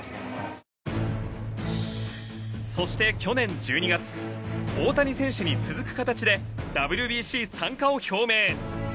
そして去年１２月大谷選手に続く形でＷＢＣ参加を表明。